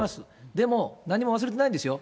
でも、何も忘れてないんですよ。